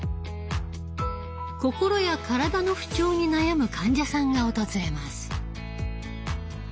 心や体の不調に悩む患者さんが訪れます。